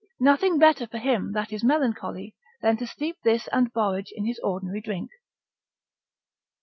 Nothing better for him that is melancholy than to steep this and borage in his ordinary drink.